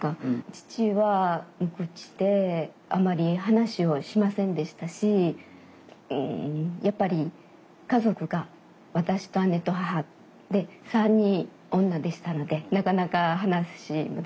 父は無口であまり話をしませんでしたしやっぱり家族が私と姉と母で３人女でしたのでなかなか話もできませんでした。